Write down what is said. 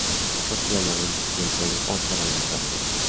Sophia Loren recibió el premio Óscar a la mejor actriz.